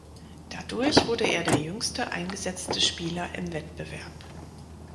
Dadurch wurde er der jüngste eingesetzte Spieler im Wettbewerb.